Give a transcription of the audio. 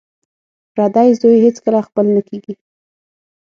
پردی زوی هېڅکله خپل نه کیږي